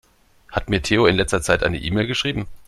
Hat mir Theo in letzter Zeit eine E-Mail geschrieben?